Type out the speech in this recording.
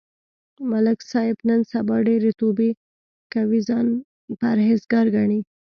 ملک صاحب نن سبا ډېرې توبې کوي، ځان پرهېز گار گڼي.